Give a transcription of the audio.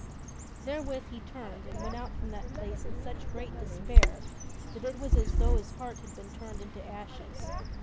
Therewith he turned and went out from that place in such great despair that it was as though his heart had been turned into ashes.